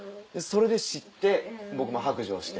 それで知って僕も白状して。